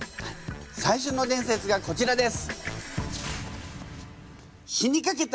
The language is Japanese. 最初の伝説がこちらです。